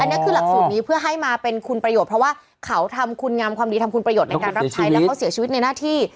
อันนี้คือหลักสูตรนี้เพื่อให้มาเป็นคุณประโยชน์เพราะว่าเขาทำคุณงามความดีทำคุณประโยชน์ในการรับใช้แล้วเขาเสียชีวิตในหน้าที่